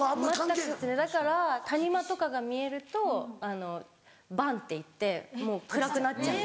全くですねだから谷間とかが見えるとＢＡＮっていってもう暗くなっちゃう。